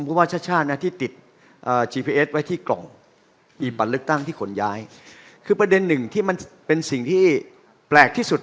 เพราะว่าชาติชาตินะที่ติด